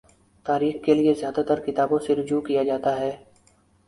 تاریخ کے لیے زیادہ ترکتابوں سے رجوع کیا جاتا ہے۔